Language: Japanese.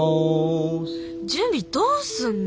準備どうすんの？